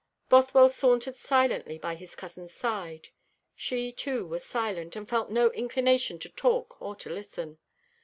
Bothwell sauntered silently by his cousin's side. She, too, was silent, and felt no inclination to talk or to listen.